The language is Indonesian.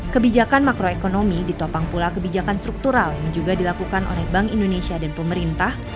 kebijakan makroekonomi ditopang pula kebijakan struktural yang juga dilakukan oleh bank indonesia dan pemerintah